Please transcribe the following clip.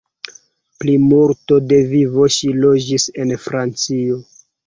Plimulto de vivo ŝi loĝis en Francio.